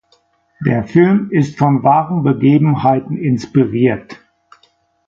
Ihr Film ist von wahren Begebenheiten inspiriert.